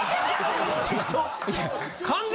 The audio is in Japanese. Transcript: ・適当！？